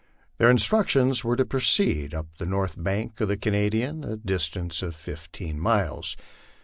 Their instructions were to proceed up the north bank of the Canadian a distance of fifteen miles.